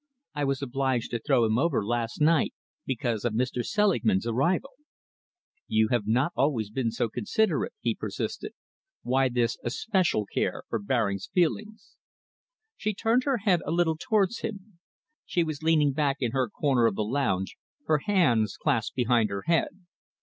I was obliged to throw him over last night because of Mr. Selingman's arrival." "You have not always been so considerate," he persisted. "Why this especial care for Baring's feelings?" She turned her head a little towards him. She was leaning back in her corner of the lounge, her hands clasped behind her head.